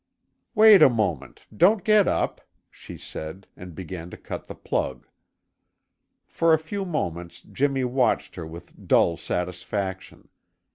"Wait a moment; don't get up," she said and began to cut the plug. For a few moments Jimmy watched her with dull satisfaction.